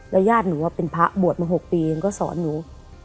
แล้วยาดหนูอะเป็นพระบวชมาหกปีเองก็สอนหนู